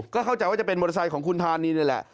ก็เข้าใจว่าจะเป็นมอเตอร์ไซค์ของคุณธานีนี่แหละ